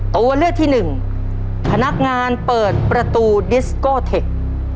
ตัวเลือกที่หนึ่งพนักงานเปิดประตูดิสโกเทค